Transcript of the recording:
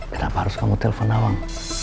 kenapa harus kamu telfon nawang